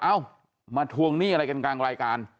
เอ้ามาทวงหนี้อะไรกันกลางรายการ